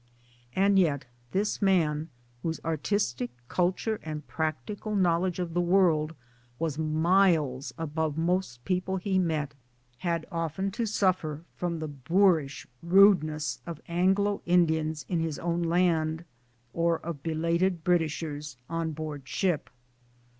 And yet this man, whose artistic culture and practical knowledge of the world was miles above most people he met, had often to suffer from the boorish rudeness of Anglo Indians in his own land, or of belated Britishers on board ship.